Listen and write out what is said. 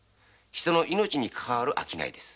人の命にかかわる商いです。